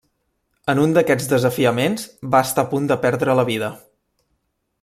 En un d'aquests desafiaments, va estar a punt de perdre la vida.